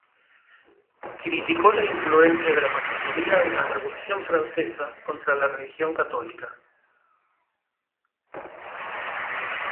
Criticó la influencia de la masonería en la revolución francesa contra la religión católica.